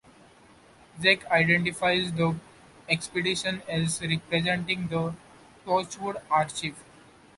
Zack identifies the expedition as representing the Torchwood Archive.